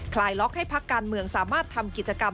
คลายล็อกให้พักการเมืองสามารถทำกิจกรรม